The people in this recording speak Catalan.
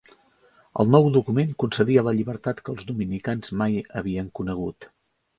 El nou document concedia la llibertat que els dominicans mai havien conegut.